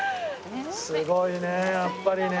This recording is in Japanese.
すごいねやっぱりね。